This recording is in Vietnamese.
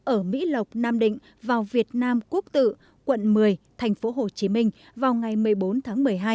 ở mỹ lộc nam định vào việt nam quốc tự quận một mươi thành phố hồ chí minh vào ngày một mươi bốn tháng một mươi hai